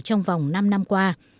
trong vòng năm năm qua